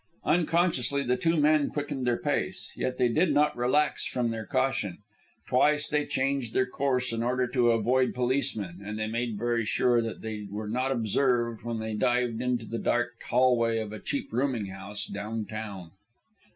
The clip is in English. Unconsciously the two men quickened their pace. Yet they did not relax from their caution. Twice they changed their course in order to avoid policemen, and they made very sure that they were not observed when they dived into the dark hallway of a cheap rooming house down town.